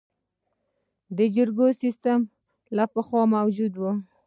د جرګو سیسټم له پخوا موجود و